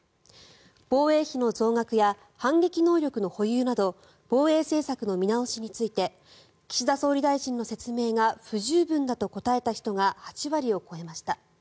防衛費の増額や反撃能力の保有など防衛政策の見直しについて岸田総理大臣の説明が不十分だと答えた人が８割を超えました。